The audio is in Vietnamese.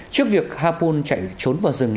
trước việc hà phu chạy trốn vào rừng